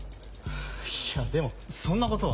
いやでもそんなことは。